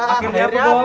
akhirnya apa bob